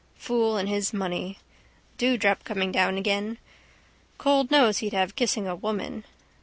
Fool and his money. Dewdrop coming down again. Cold nose he'd have kissing a woman.